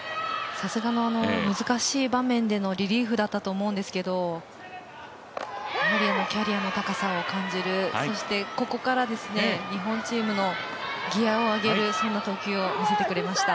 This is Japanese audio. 難しい場面でのリリーフだったと思うんですけどやはりキャリアの高さを感じる、そしてここから日本チームのギアを上げるそんな投球を見せてくれました。